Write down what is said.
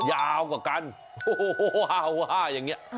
ยาวกว่ากันโฮอย่างนี้